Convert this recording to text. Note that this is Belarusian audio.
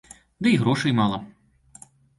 Ды і грошай мала.